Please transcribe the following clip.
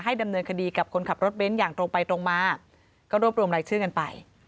ดำเนินคดีกับคนขับรถเบ้นอย่างตรงไปตรงมาก็รวบรวมรายชื่อกันไป